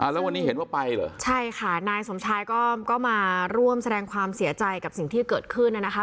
แล้ววันนี้เห็นว่าไปเหรอใช่ค่ะนายสมชายก็มาร่วมแสดงความเสียใจกับสิ่งที่เกิดขึ้นน่ะนะคะ